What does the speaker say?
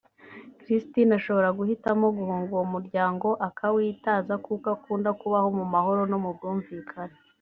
Christine ashobora guhitamo guhunga uwo muryango akawitaza kuko akunda kubaho mu mahoro no mu bwumvikane